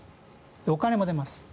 で、お金も出ます。